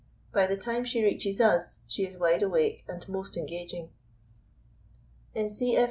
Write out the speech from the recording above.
By the time she reaches us she is wide awake and most engaging. In C. F.